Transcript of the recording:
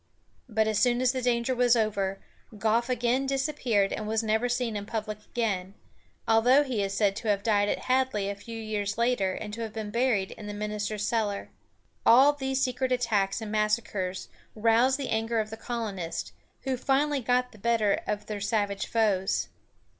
But as soon as the danger was over, Goffe again disappeared, and was never seen in public again, although he is said to have died at Hadley a few years later, and to have been buried in the minister's cellar. All these secret attacks and massacres roused the anger of the colonists, who finally got the better of their savage foes.